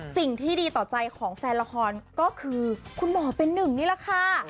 สิ่งที่ดีต่อใจของแฟนละครก็คือคุณหมอเป็นหนึ่งนี่แหละค่ะ